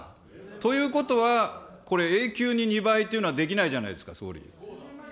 ということは、これ、永久に２倍というのはできないじゃないですか、総理。